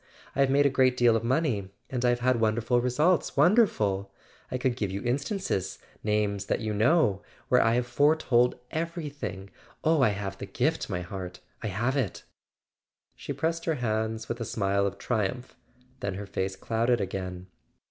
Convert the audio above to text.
I have made a great deal of money; and I have had wonderful results—wonderful! I could give you in¬ stances—names that you know—where I have fore¬ told everything! Oh, I have the gift, my heart, I have it!" She pressed his hands with a smile of triumph; then her face clouded again.